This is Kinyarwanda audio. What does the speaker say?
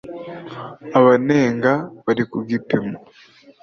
abanenga bari ku gipimo